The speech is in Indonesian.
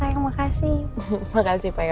hah ya tapi saya